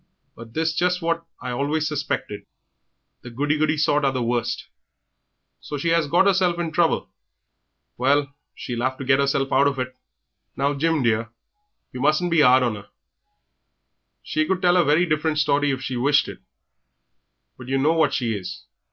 But 'tis just what I always suspected. The goody goody sort are the worst. So she 'as got 'erself into trouble! Well, she'll 'ave to get 'erself out of it." "Now, Jim, dear, yer mustn't be 'ard on 'er; she could tell a very different story if she wished it, but yer know what she is.